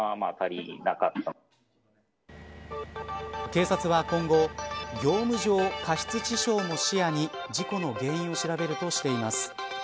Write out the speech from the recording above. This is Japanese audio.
警察は今後業務上過失致傷も視野に事故の原因を調べるとしています。